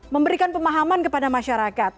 memberikan pemahaman kepada masyarakat